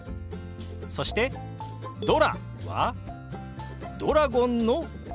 そして「ドラ」はドラゴンの「ドラ」。